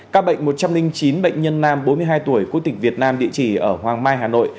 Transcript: các bệnh một trăm linh chín bệnh nhân nam bốn mươi hai tuổi quốc tịch việt nam địa chỉ ở hoàng mai hà nội